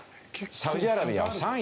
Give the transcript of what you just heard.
サウジアラビアは３位。